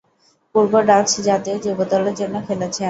পূর্বে ডাচ জাতীয় যুব দলের জন্য খেলেছেন।